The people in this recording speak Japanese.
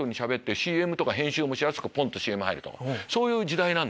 そういう時代なんで。